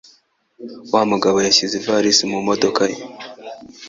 Wa mugabo yashyize ivalisi mu modoka ye.